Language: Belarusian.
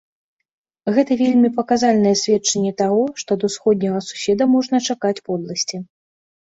Гэта вельмі паказальнае сведчанне таго, што ад усходняга суседа можна чакаць подласці.